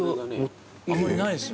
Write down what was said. あんまりないですよね。